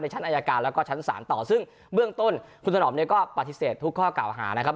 ชั้นอายการแล้วก็ชั้นศาลต่อซึ่งเบื้องต้นคุณถนอมเนี่ยก็ปฏิเสธทุกข้อกล่าวหานะครับ